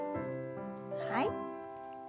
はい。